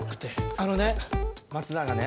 あのね松永ね